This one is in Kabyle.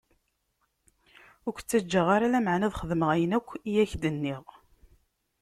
Ur k-ttaǧǧaɣ ara, lameɛna ad xedmeɣ ayen akk i k-d-nniɣ.